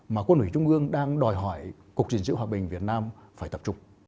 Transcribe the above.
mà quân ủy trung ương đang đòi hỏi cục diện giữ hòa bình việt nam phải tập trung